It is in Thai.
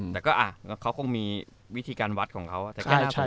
แต่ก็เขาคงมีวิธีการวัดของเขา